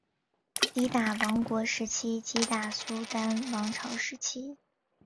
吉打王国时期吉打苏丹王朝时期